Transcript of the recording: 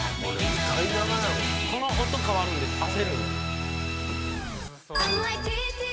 「この音変わるんで焦るんよね」